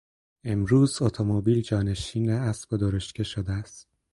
امروز اتومبیل جانشین اسب و درشگه شده است.